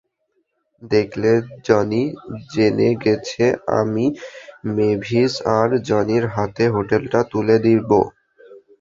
দেখলে, জনি জেনে গেছে, আমি মেভিস আর জনির হাতে হোটেলটা তুলে দিবো।